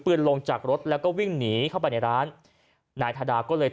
ลงจากรถแล้วก็วิ่งหนีเข้าไปในร้านนายธดาก็เลย